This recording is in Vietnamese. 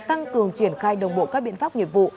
tăng cường triển khai đồng bộ các biện pháp nghiệp vụ